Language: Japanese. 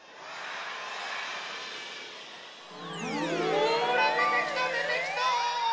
ほらでてきたでてきた！